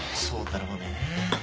そうだろうね。